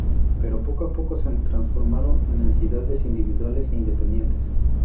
Pero poco a poco se transformaron en entidades individuales e independientes.